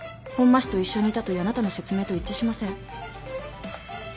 本間氏と一緒にいたというあなたの説明と一致しません。